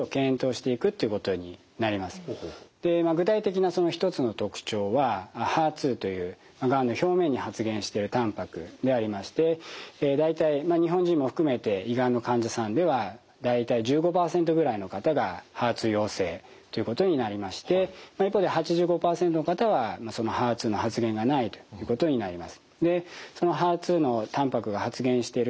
具体的な一つの特徴はＨＥＲ２というがんの表面に発現してるたんぱくでありまして大体日本人も含めて胃がんの患者さんでは大体１５％ぐらいの方がＨＥＲ２陽性ということになりまして一方で８５％の方はそのＨＥＲ２の発現がないということになります。